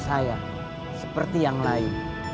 syuruh pujimu kembali